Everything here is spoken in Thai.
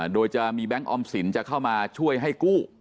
โดยจะมีแบงค์ออมสินจะเข้ามาช่วยให้กู้